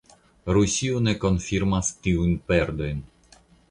Rusio ne konfirmis tiujn perdojn.